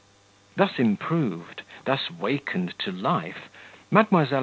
Thus improved, thus wakened to life, Mdlle.